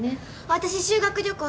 私修学旅行